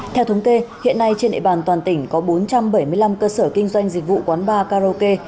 theo thống kê hiện nay trên địa bàn toàn tỉnh có bốn trăm bảy mươi năm cơ sở kinh doanh dịch vụ quán bar karaoke